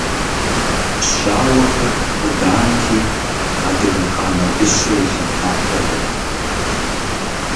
Щауэхэр къуданти, адыгэ къамэ дыщэ илъэфа хуэдэт.